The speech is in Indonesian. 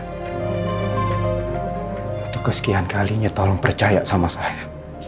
untuk kesekian kalinya tolong percaya sama saya